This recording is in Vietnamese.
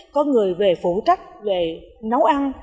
có người về phụ trách về nấu ăn